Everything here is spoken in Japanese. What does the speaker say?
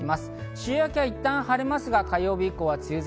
週明けはいったん晴れますが、火曜日以降は梅雨空。